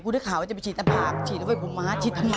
กูถ้าขอว่าจะไปฉีดตะบากนี่ฉีดอ้วยผมหมาฉีดทำไมวะ